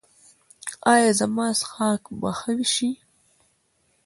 ایا زما څښاک به ښه شي؟